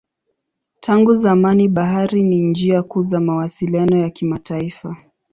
Tangu zamani bahari ni njia kuu za mawasiliano ya kimataifa.